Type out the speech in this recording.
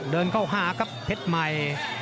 เดินเก้า๕กับเพชย์ใหม่